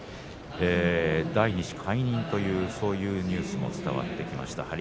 第２子懐妊というニュースも伝わってきました。